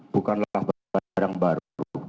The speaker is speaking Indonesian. bukanlah barang baru